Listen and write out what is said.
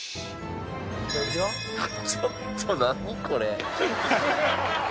これ。